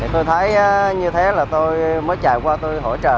tôi thấy như thế là tôi mới chào qua tôi hỗ trợ